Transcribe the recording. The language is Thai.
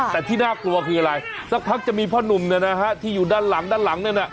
แต่ที่น่ากลัวคืออะไรสักพักจะมีพ่อนุ่มที่อยู่ด้านหลังด้านหลังนั่นน่ะ